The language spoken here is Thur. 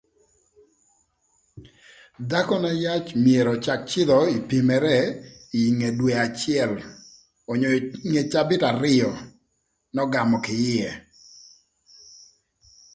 Dhakö na yac myero öcak cïdhö ï pimere ï nge dwe acël onyo ï nge cabït arïö n'ögamö kï ïë.